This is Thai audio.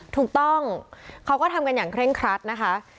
ถูกต้องเขาก็ทำกันอย่างเคร่งครัดนะคะ